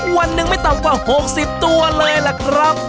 วันนึงไม่ต่ำกว่าหกสิบตัวเลยแหล่ะครับ